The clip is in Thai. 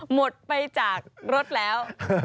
หมดไปจากรถแล้ว